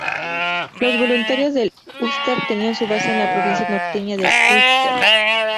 Los Voluntarios del Ulster tenían su base en la provincia norteña del Ulster.